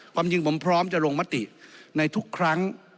ความจริงผมพร้อมจะลงมติในทุกครั้ง